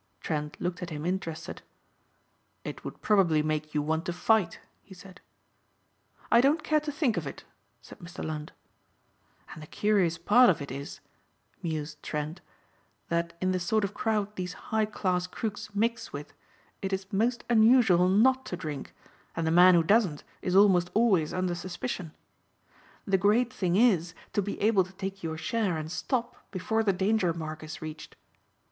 Trent looked at him interested. "It would probably make you want to fight," he said. "I don't care to think of it," said Mr. Lund. "And the curious part of it is," mused Trent, "that in the sort of crowd these high class crooks mix with it is most unusual not to drink, and the man who doesn't is almost always under suspicion. The great thing is to be able to take your share and stop before the danger mark is reached.